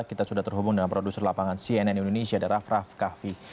kita sudah terhubung dengan produser lapangan cnn indonesia rafraf kahvi